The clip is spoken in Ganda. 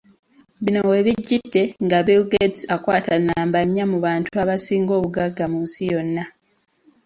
Bino we bijjidde nga Bill Gates akwata nnamba nnya mu bantu abasinga obugagga mu nsi yonna.